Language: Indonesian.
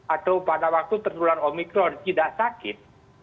atau pada waktu tertular omikron tidak sakit